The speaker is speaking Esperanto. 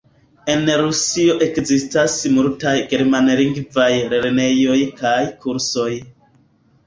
En Rusio ekzistas multaj germanlingvaj lernejoj kaj kursoj.